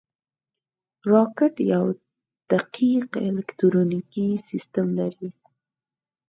راکټ یو دقیق الکترونیکي سیستم لري